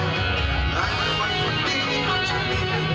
อีกเพลงหนึ่งครับนี้ให้สนสารเฉพาะเลย